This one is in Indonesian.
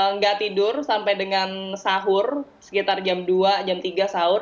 nggak tidur sampai dengan sahur sekitar jam dua jam tiga sahur